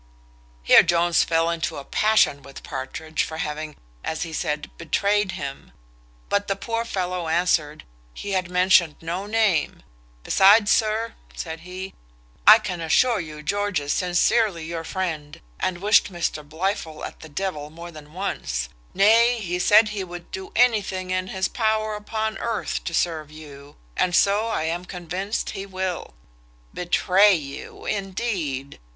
Here Jones fell into a passion with Partridge, for having, as he said, betrayed him; but the poor fellow answered, he had mentioned no name: "Besides, sir," said he, "I can assure you George is sincerely your friend, and wished Mr Blifil at the devil more than once; nay, he said he would do anything in his power upon earth to serve you; and so I am convinced he will. Betray you, indeed!